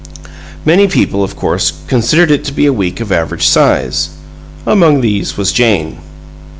Many people, of course, considered it to be a week of average size. Among these was Jane.